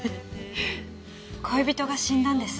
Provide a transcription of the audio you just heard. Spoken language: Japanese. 恋人が死んだんです。